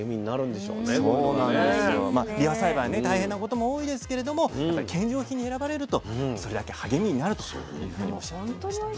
まあびわ栽培ね大変なことも多いですけれどもやっぱり献上品に選ばれるとそれだけ励みになるというふうにおっしゃってましたね。